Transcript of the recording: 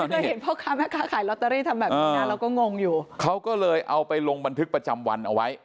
เคยเห็นพ่อค้าแม่ค้าขายลอตเตอรี่ทำแบบนี้นะเราก็งงอยู่เขาก็เลยเอาไปลงบันทึกประจำวันเอาไว้